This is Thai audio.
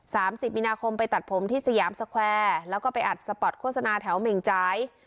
สิบมีนาคมไปตัดผมที่สยามสแควร์แล้วก็ไปอัดสปอร์ตโฆษณาแถวเหม่งจ่าย